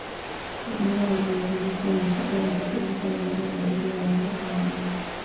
unga wa viazi lishe unapata virutubisho vingi zaidi ya unga wa ngano